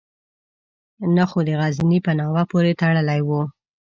نه خو د غزني په ناوه پورې تړلی وو.